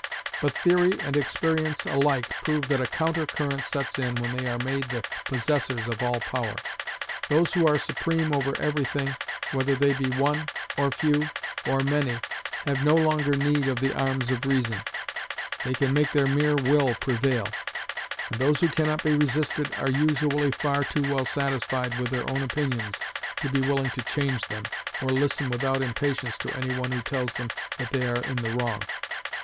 But theory and experience alike prove that a counter current sets in when they are made the possessors of all power. Those who are supreme over every thing, whether they be One, or Few, or Many, have no longer need of the arms of reason; they can make their mere will prevail; and those who can not be resisted are usually far too well satisfied with their own opinions to be willing to change them, or listen without impatience to any one who tells them that they are in the wrong.